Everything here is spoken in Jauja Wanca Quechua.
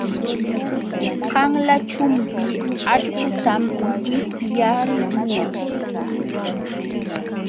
Qanla chumpi allqutam wipyaaluu.